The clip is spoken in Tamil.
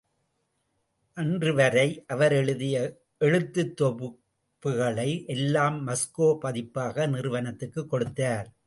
அன்று வரை அவர் எழுதிய எழுத்துத் தொகுப்புகளை எல்லாம் மாஸ்கோ பதிப்பக நிறுவனத்துக்குக் கொடுத்தார்.